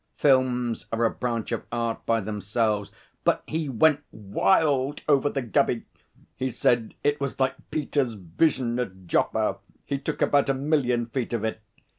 Films are a branch of art by themselves. But he went wild over the Gubby. He said it was like Peter's vision at Joppa. He took about a million feet of it.